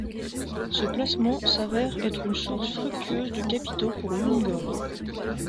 Ce placement s'avère être une source fructueuse de capitaux pour Youngor.